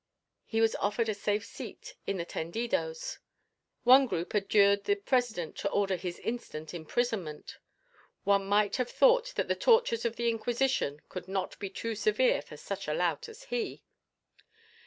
He was offered a safe seat in the tendidos. One group adjured the President to order his instant imprisonment. One might have thought that the tortures of the Inquisition could not be too severe for such a lout as he.